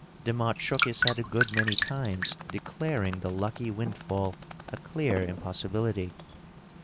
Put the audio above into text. Demotte shook his head a good many times, declaring the lucky windfall a clear im possibility.